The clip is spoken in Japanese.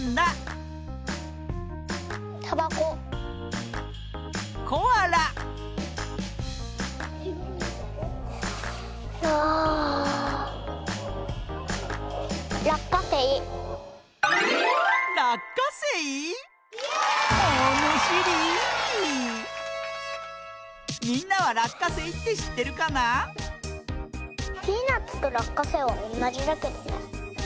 ピーナツとらっかせいはおんなじだけどね。